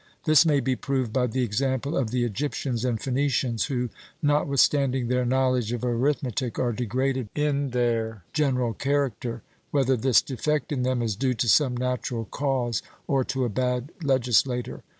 This may be proved by the example of the Egyptians and Phoenicians, who, notwithstanding their knowledge of arithmetic, are degraded in their general character; whether this defect in them is due to some natural cause or to a bad legislator.